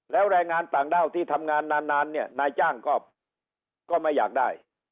แล้วแรงงานต่างด้าวที่ทำงานนานเนี่ยนายจ้างก็ไม่อยากได้